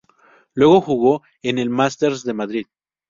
Luego jugó el Masters de Madrid.